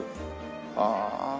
ああ。